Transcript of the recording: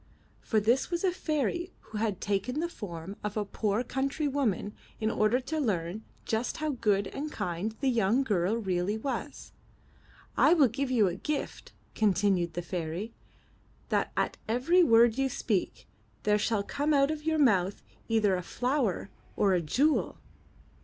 For this was a fairy who had taken the form of a poor country woman in order to learn just how good and kind the young girl really was. I will give you for a gift," continued the fairy, *'that at every word you speak, there shall come out of your mouth either a flower or a jewel."